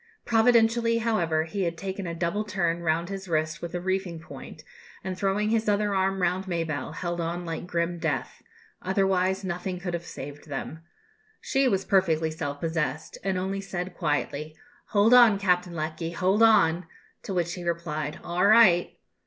Providentially, however, he had taken a double turn round his wrist with a reefing point, and throwing his other arm round Mabelle, held on like grim death; otherwise nothing could have saved them. She was perfectly self possessed, and only said quietly, "Hold on, Captain Lecky, hold on!" to which he replied, "All right."